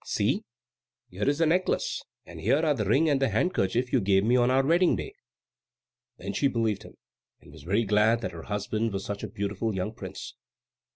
See, here is your necklace, and here are the ring and the handkerchief you gave me on our wedding day." Then she believed him, and was very glad that her husband was such a beautiful young prince.